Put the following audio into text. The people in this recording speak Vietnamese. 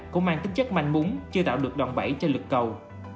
cũng mang tính chất manh muốn chưa tạo được đòn bẫy cho lực cầu